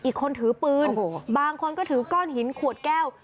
อีกคนถือมีดอีกคนถือปืนบางคนก็ถือก้อนหินขวดแก้ว